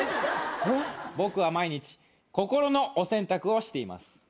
僕は毎日心のお洗濯をしています。